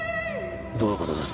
どういう事です？